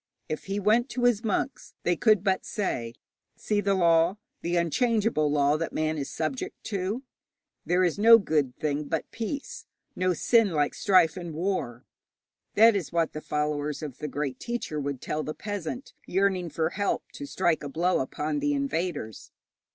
If he went to his monks, they could but say: 'See the law, the unchangeable law that man is subject to. There is no good thing but peace, no sin like strife and war.' That is what the followers of the great teacher would tell the peasant yearning for help to strike a blow upon the invaders.